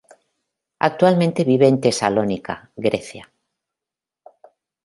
Actualmente vive en Tesalónica, Grecia.